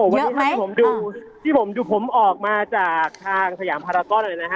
เยอะไหมโอ้โฮวันนี้ถ้าที่ผมดูที่ดูผมออกมาจากทางสยามพาระกอล